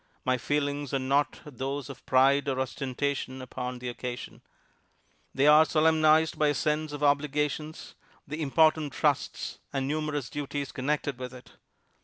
My feelings are not those of pride or ostentation upon the occasion. "They are solemnized by a sense of the obligations, the important trusts, and numerous duties connected with it.